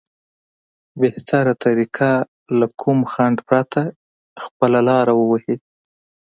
بهتره طريقه له کوم خنډ پرته خپله لاره ووهي.